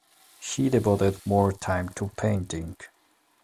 He devoted more time to painting.